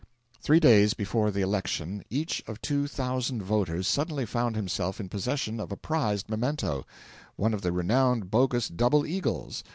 Three days before the election each of two thousand voters suddenly found himself in possession of a prized memento one of the renowned bogus double eagles.